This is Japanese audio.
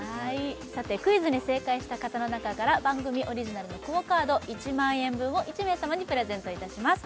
さてクイズに正解した方の中から番組オリジナルのＱＵＯカード１万円分を１名様にプレゼントいたします